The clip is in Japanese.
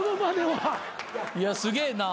いやすげえな。